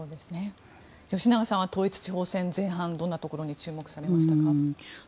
吉永さんは統一地方選の前半をどこに注目されましたか。